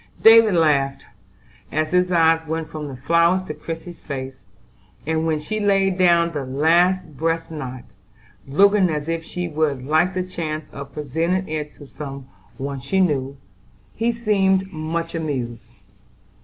David laughed, as his eye went from the flowers to Christie's face, and when she laid down the last breast knot, looking as if she would like the chance of presenting it to some one she knew, he seemed much amused.